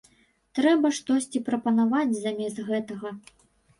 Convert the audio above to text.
Трэба штосьці прапанаваць замест гэтага.